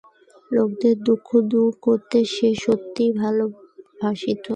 লোকের দুঃখ দূর করিতে সে সত্যই ভালোবাসিত।